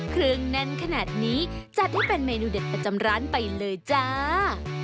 เครื่องแน่นขนาดนี้จัดให้เป็นเมนูเด็ดประจำร้านไปเลยจ้า